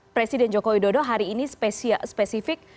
presiden joko widodo hari ini spesifik